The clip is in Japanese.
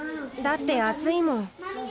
だって暑いもん。